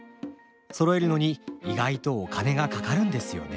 そろえるのに意外とお金がかかるんですよねえ。